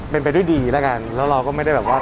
เป็นไปด้วยดีแล้วกันแล้วเราก็ไม่ได้แบบว่า